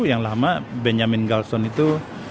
yang lama benjamin galston itu